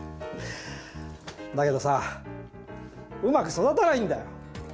だけどさうまく育たないんだよ！